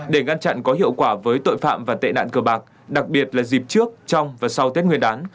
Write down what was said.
để ngăn chặn có hiệu quả với tội phạm và tệ nạn cơ bạc đặc biệt là dịp trước trong và sau tết nguyên đán